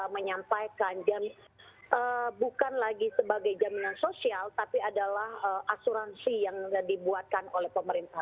menyampaikan bukan lagi sebagai jaminan sosial tapi adalah asuransi yang dibuatkan oleh pemerintah